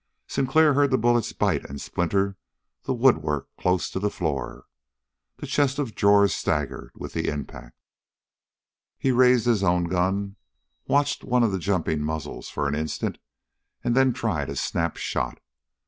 Sinclair heard the bullets bite and splinter the woodwork close to the floor. The chest of drawers staggered with the impact. He raised his own gun, watched one of the jumping muzzles for an instant, and then tried a snap shot.